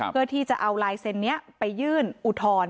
เพื่อที่จะเอาไลเซนเนี้ยไปยื่นอุทร